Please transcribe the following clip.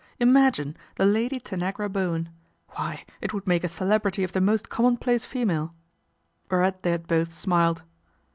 Im gine, the Lady Tanagra Bowen ; why it would nake a celebrity of the most commonplace emale," whereat they had both smiled.